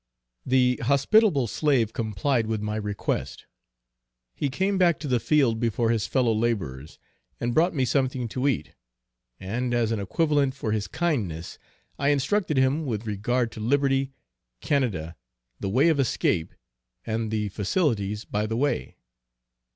The hospitable slave complied with my request. He came back to the field before his fellow laborers, and brought me something to eat, and as an equivolent for his kindness, I instructed him with regard to liberty, Canada, the way of escape, and the facilities by the way.